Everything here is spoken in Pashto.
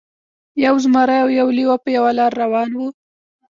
یو زمری او یو لیوه په یوه لاره روان وو.